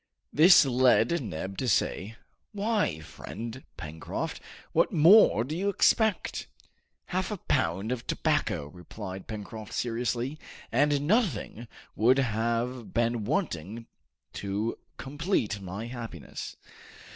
This led Neb to say, "Why, friend Pencroft, what more do you expect?" "Half a pound of tobacco," replied Pencroft seriously, "and nothing would have been wanting to complete my happiness!"